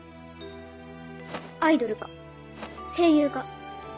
アイドルか声優か。